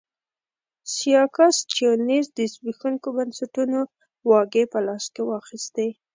سیاکا سټیونز د زبېښونکو بنسټونو واګې په لاس کې واخیستې.